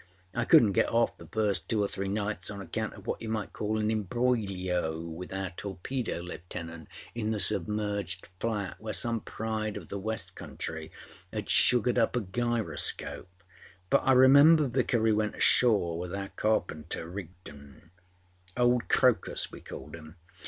I couldnât get off the first two or three nights on account of what you might call an imbroglio with our Torpedo Lieutenant in the submerged flat, where some pride of the West country had sugared up a gyroscope; but I remember Vickery went ashore with our Carpenter Rigdonâold Crocus we called him.